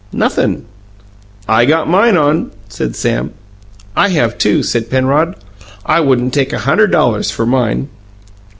"Nothin'" "I got mine on," said Sam. "I have, too," said Penrod. "I wouldn't take a hunderd dollars for mine."